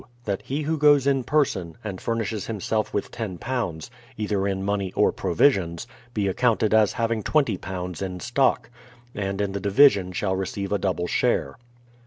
That he who goes in person, and furnishes himself with iio, either in money, or provisions, be accounted as having £20 in stock; and in the division shall receive a double share.